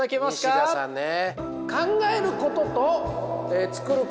西田さんね。